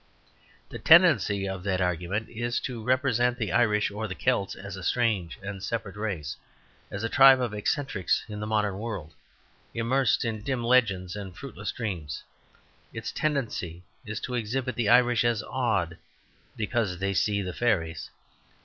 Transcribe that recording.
The tendency of that argument is to represent the Irish or the Celts as a strange and separate race, as a tribe of eccentrics in the modern world immersed in dim legends and fruitless dreams. Its tendency is to exhibit the Irish as odd, because they see the fairies.